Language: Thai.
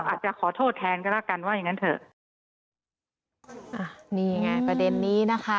อาจจะขอโทษแทนก็แล้วกันว่าอย่างงั้นเถอะอ่ะนี่ไงประเด็นนี้นะคะ